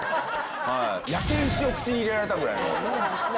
焼け石を口に入れられたぐらいの。